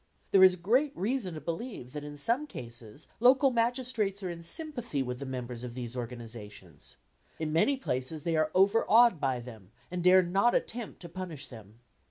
There is great reason to believe that in some cases local magistrates are in sympathy with the members of these organizations. In many places they are overawed by them and dare not attempt to punish them.